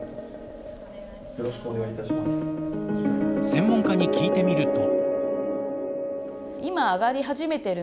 専門家に聞いてみると。